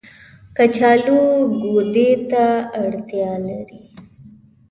کچالو ګودې ته اړتيا لري